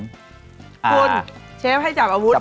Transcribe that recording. คุณเชฟให้จับอาวุธ